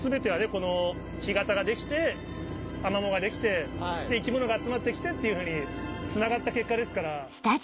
この干潟ができてアマモができてで生き物が集まって来てっていうふうにつながった結果ですから。